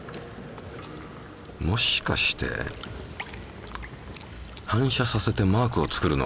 もしかして反射させてマークを作るの？